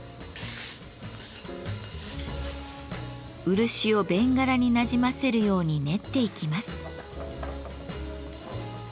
漆をベンガラになじませるように練っていきます。